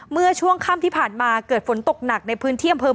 เมื่อช่วงค่ำที่ผ่านมาเกิดฝนตกหนักในพื้นที่อำเภอ